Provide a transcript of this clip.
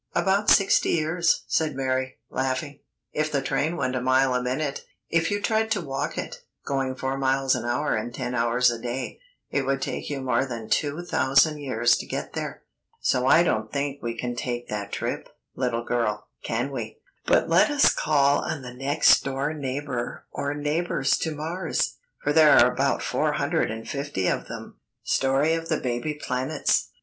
"About sixty years," said Mary, laughing, "if the train went a mile a minute. If you tried to walk it, going four miles an hour and ten hours a day, it would take you more than two thousand years to get there. So, I don't think we can take that trip, little girl, can we? But let us call on the next door neighbor or neighbors to Mars, for there are about four hundred and fifty of them." STORY OF THE BABY PLANETS.